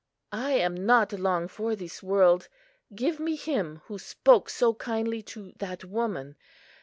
I am not long for this world. Give me Him who spoke so kindly to that woman.